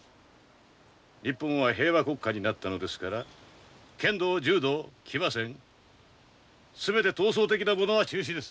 日本は平和国家になったのですから剣道柔道騎馬戦全て闘争的なものは中止です。